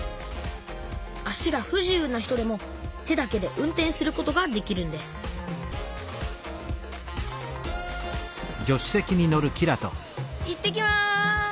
足が不自由な人でも手だけで運転することができるんですいってきます。